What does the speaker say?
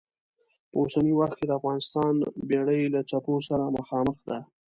په اوسني وخت کې د افغانستان بېړۍ له څپو سره مخامخ ده.